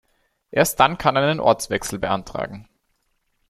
Erst dann kann er einen Ortswechsel beantragen.